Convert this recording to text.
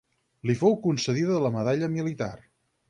Li fou concedida la medalla militar.